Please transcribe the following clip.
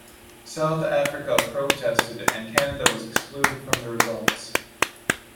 South Africa protested, and Canada was excluded from the results.